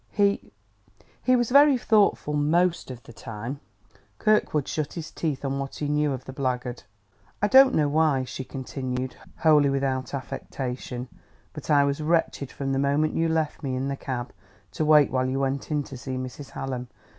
He ... he was very thoughtful, most of the time." Kirkwood shut his teeth on what he knew of the blackguard. "I don't know why," she continued, wholly without affectation, "but I was wretched from the moment you left me in the cab, to wait while you went in to see Mrs. Hallam.